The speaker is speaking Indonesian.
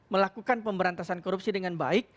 melakukan pemberantasan korupsi dengan baik